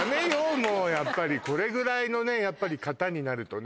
もうやっぱりこれぐらいのねやっぱり方になるとね